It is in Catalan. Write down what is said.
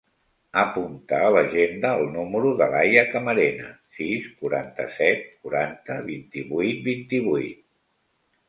Apunta a l'agenda el número de l'Aya Camarena: sis, quaranta-set, quaranta, vint-i-vuit, vint-i-vuit.